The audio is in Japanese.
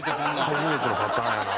初めてのパターンやな。